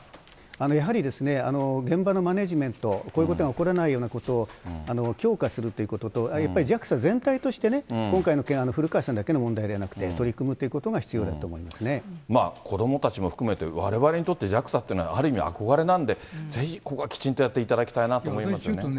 やはり現場のマネジメント、こういうことが起こらないようなことを強化するということと、やっぱりＪＡＸＡ全体として、今回の件、古川さんだけの問題ではなくて取り組むということが必要だと思い子どもたちも含めて、われわれにとって、ＪＡＸＡってのはある意味憧れなんで、ぜひここはきちんとやっていただきたいなと思いますよね。